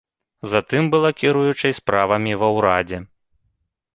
Затым была кіруючай справамі ва ўрадзе.